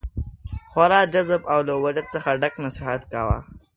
خورا جذاب او له وجد څخه ډک نصیحت کاوه.